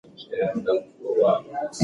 د لمانځه پر مهال باید د عجز او نیاز حالت وي.